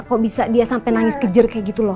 kok bisa dia sampai nangis kejar kayak gitu loh